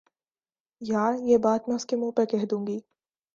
یار، یہ بات میں اس کے منہ پر کہ دوں گی